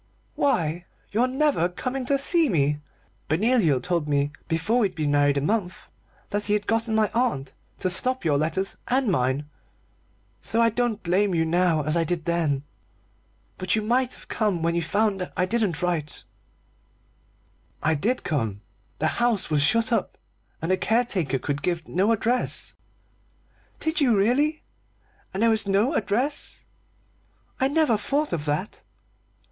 "Why your never coming to see me. Benoliel told me before we'd been married a month that he had got my aunt to stop your letters and mine, so I don't blame you now as I did then. But you might have come when you found I didn't write." "I did come. The house was shut up, and the caretaker could give no address." "Did you really? And there was no address? I never thought of that."